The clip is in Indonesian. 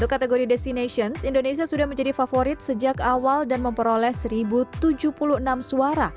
untuk kategori destinations indonesia sudah menjadi favorit sejak awal dan memperoleh satu tujuh puluh enam suara